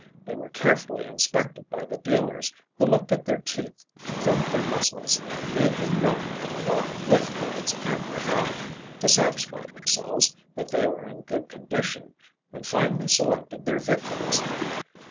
They were carefully inspected by the dealers, who looked at their teeth, felt their muscles, made them run and walk with loads and without to satisfy themselves that they were in good condition, and finally selected their victims.